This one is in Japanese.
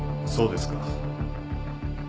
そうですか。